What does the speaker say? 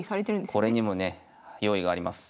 これにもね用意があります。